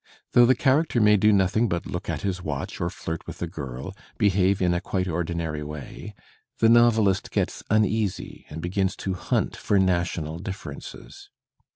Though the character may do nothing but look at his watch or flirt with a girl, behave in a quite ordinary way, the novelist gets unea^ and begins to hunt for national differences.